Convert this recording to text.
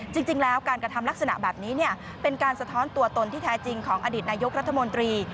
จริงแล้วการกระทำลักษณะแบบนี้เป็นการสะท้อนตัวตนที่แท้จริงของอดีตนายกรัฐมนตรี